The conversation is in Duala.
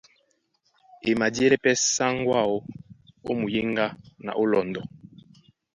E madíɛlɛ́ pɛ́ sáŋgó áō ó muyéŋgá na ó lɔndɔ.